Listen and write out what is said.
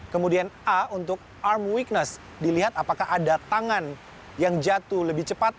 kemudian a untuk arm weakness dilihat apakah ada tangan yang jatuh lebih cepat